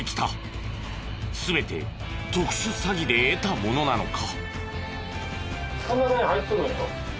全て特殊詐欺で得たものなのか？